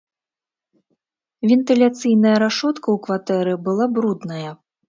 Вентыляцыйная рашотка ў кватэры была брудная.